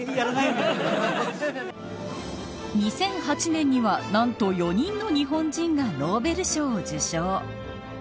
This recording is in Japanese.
２００８年にはなんと４人の日本人がノーベル賞を受賞。